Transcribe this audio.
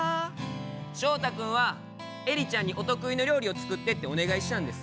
翔太君はエリちゃんにお得意の料理を作ってってお願いしたんです。